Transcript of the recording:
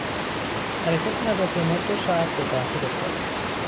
حرکت هواپیما دو ساعت به تاخیر افتاد.